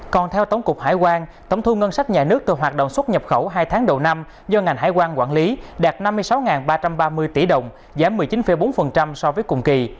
còn theo tổng cục hải quan tổng thu ngân sách nhà nước từ hoạt động xuất nhập khẩu hai tháng đầu năm do ngành hải quan quản lý đạt năm mươi sáu ba trăm ba mươi tỷ đồng giảm một mươi chín bốn so với cùng kỳ